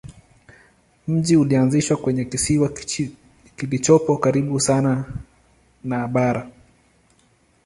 Mji ulianzishwa kwenye kisiwa kilichopo karibu sana na bara.